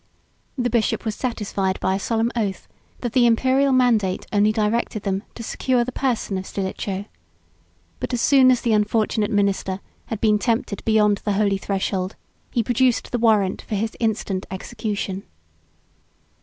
The bishop was satisfied by a solemn oath, that the Imperial mandate only directed them to secure the person of Stilicho: but as soon as the unfortunate minister had been tempted beyond the holy threshold, he produced the warrant for his instant execution.